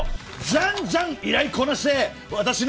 じゃんじゃん依頼こなして私の。